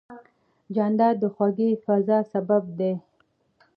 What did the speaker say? جانداد د خوږې فضا سبب دی.